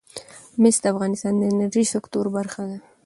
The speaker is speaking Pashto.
مس د افغانستان د انرژۍ سکتور برخه ده.